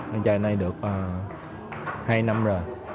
ăn chay này được hai năm rồi